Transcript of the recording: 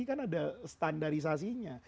kan ada standarisasinya